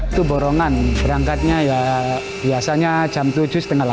itu borongan berangkatnya ya biasanya jam tujuh tiga puluh sampai dua belas tiga puluh berdor